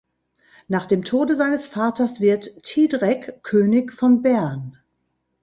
Nach dem Tode seines Vaters wird Thidrek König von Bern.